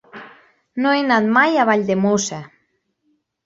No he anat mai a Valldemossa.